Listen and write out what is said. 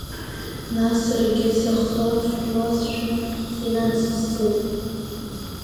Нас саргьы сахлафуазшәа инацысҵеит.